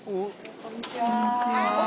こんにちは。